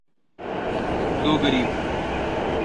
دوگریب